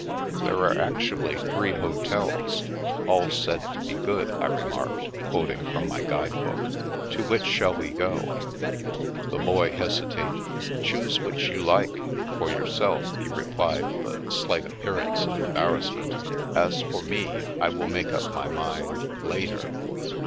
"There are actually three hotels, all said to be good/* I remarked, quoting from my guide book. " To which shall we go? " The Boy hesitated. " Choose which you like, for yourself," he replied with a slight appearance of em barrassment. "As for me, I will make up my mind —later."